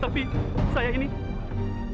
tapi saya tidak bisa jadi wali nikahnya